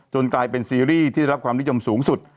กลายเป็นซีรีส์ที่ได้รับความนิยมสูงสุด